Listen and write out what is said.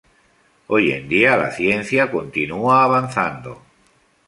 Hoy en día, la ciencia continúa avanzando.